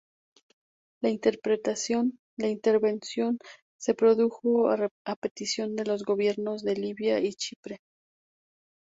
La intervención se produjo a petición de los gobiernos de Libia y Chipre.